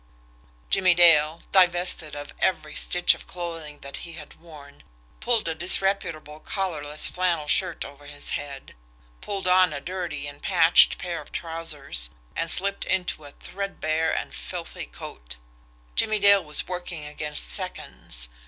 Jimmie Dale, divested of every stitch of clothing that he had worn, pulled a disreputable collarless flannel shirt over his head, pulled on a dirty and patched pair of trousers, and slipped into a threadbare and filthy coat. Jimmie Dale was working against seconds.